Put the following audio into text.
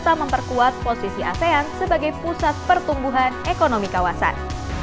dan memperkuat posisi asean sebagai pusat pertumbuhan ekonomi kawasan